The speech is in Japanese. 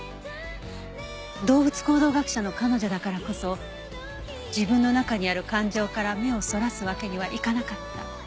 動物行動学者の彼女だからこそ自分の中にある感情から目をそらすわけにはいかなかった。